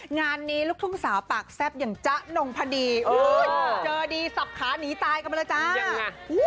งานนี้ลูกทุ่งสาวปากแซ่บอย่างจ๊ะนงพดีเจอดีสับขาหนีตายกันมาแล้วจ้า